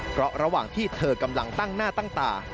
เพราะระหว่างที่เธอกำลังตั้งหน้าตั้งตา